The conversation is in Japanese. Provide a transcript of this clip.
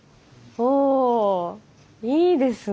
おぉいいですね。